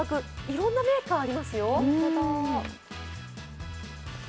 いろんなメーカーありますよ。